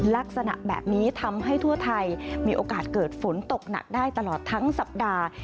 ลักษณะแบบนี้ทำให้ทั่วไทยมีโอกาสเกิดฝนตกหนักได้ตลอดทั้งสัปดาห์